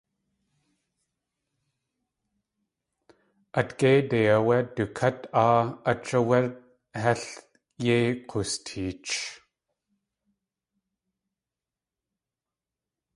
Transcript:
At géide áwé du kát áa ách áwé hél yéi k̲oosteech.